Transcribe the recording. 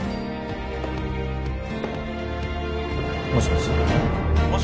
もしもし？